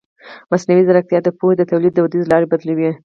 مصنوعي ځیرکتیا د پوهې د تولید دودیزې لارې بدلوي.